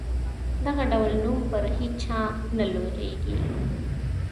دغه ډول نوم پر هیچا نه لورېږي.